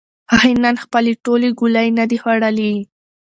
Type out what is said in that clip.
هغې نن خپلې ټولې ګولۍ نه دي خوړلې.